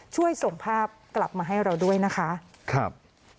ช่วยส่งภาพกลับมาให้เราด้วยนะคะครับ